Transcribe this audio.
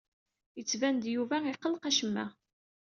Yettban-d Yuba iqelleq acemma.